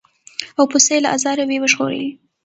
او پسه یې له آزاره وي ژغورلی